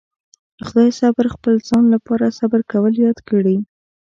خدای صبر خپل ځان لپاره صبر کول ياد کړي.